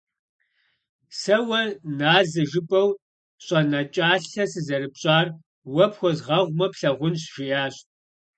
«Сэ уэ назэ жыпӏэу щӏэнэкӏалъэ сызэрыпщӏар уэ пхуэзгъэгъумэ плъагъунщ», — жиӏащ.